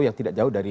yang tidak jauh dari